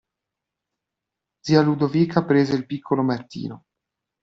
Zia Ludovica prese il piccolo Martino.